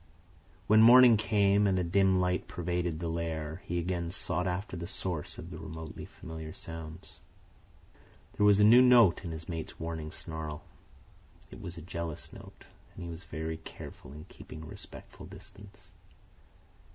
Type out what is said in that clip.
When morning came and a dim light pervaded the lair, he again sought after the source of the remotely familiar sounds. There was a new note in his mate's warning snarl. It was a jealous note, and he was very careful in keeping a respectful distance.